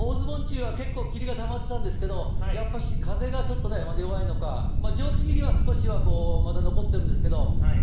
大洲盆地は結構、霧がたまってたんですけれども、やっぱし、風がちょっとね、弱いのか、蒸気霧はまだ少しはまだ残っているんです